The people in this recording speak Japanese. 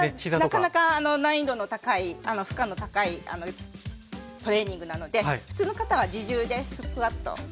なかなか難易度の高い負荷の高いトレーニングなので普通の方は自重でスクワットをすればいいと思います。